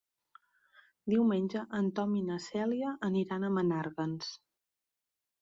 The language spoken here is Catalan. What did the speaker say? Diumenge en Tom i na Cèlia aniran a Menàrguens.